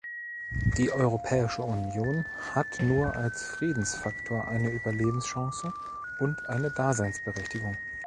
Die Europäische Union hat nur als Friedensfaktor eine Überlebenschance und eine Daseinsberechtigung.